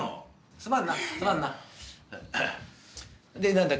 すまんなす